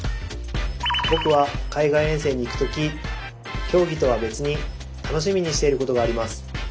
僕は海外遠征に行く時競技とは別に楽しみにしていることがあります。